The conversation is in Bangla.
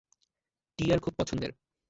টিয়ার খুব পছন্দের।